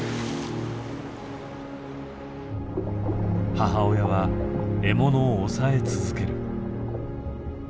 母親は獲物を押さえ続ける。